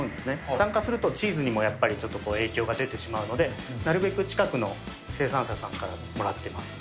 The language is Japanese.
酸化するとチーズにもやっぱりちょっと影響が出てしまうので、なるべく近くの生産者さんからもらってます。